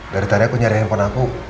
dari tadi aku nyari handphone aku